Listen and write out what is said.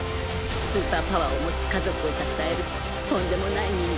スーパーパワーを持つ家族を支えるとんでもない人間なんだから。